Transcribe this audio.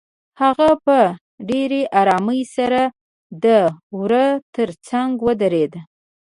هغه په ډېرې آرامۍ سره د وره تر څنګ ودرېده.